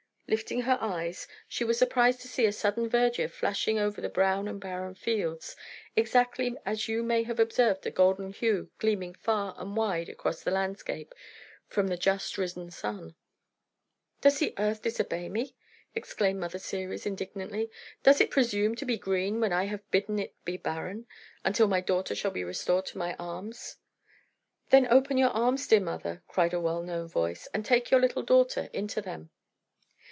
Lifting her eyes, she was surprised to see a sudden verdure flashing over the brown and barren fields, exactly as you may have observed a golden hue gleaming far and wide across the landscape, from the just risen sun. "Does the earth disobey me?" exclaimed Mother Ceres, indignantly. "Does it presume to be green, when I have bidden it be barren, until my daughter shall be restored to my arms?" "Then open your arms, dear mother," cried a well known voice, "and take your little daughter into them."